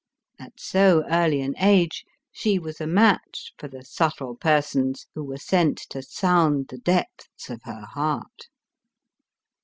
At so early an age, she was a match for the subtle persons who were sent to sound the depths of her heart.